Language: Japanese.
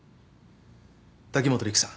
滝本陸さん